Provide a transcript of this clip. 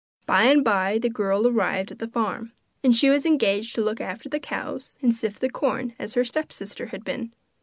By and by the girl arrived at the farm, and she was engaged to look after the cows and sift the corn as her stepsister had been.